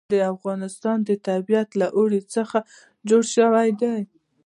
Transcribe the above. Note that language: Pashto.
د افغانستان طبیعت له اوړي څخه جوړ شوی دی.